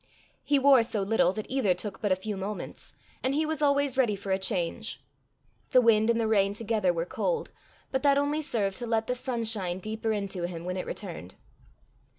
He wore so little that either took but a few moments, and he was always ready for a change. The wind and the rain together were cold, but that only served to let the sunshine deeper into him when it returned.